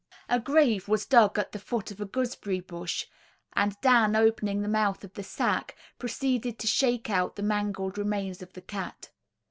A grave was dug at the foot of a gooseberry bush, and Dan opening the mouth of the sack, proceeded to shake out the mangled remains of the cat.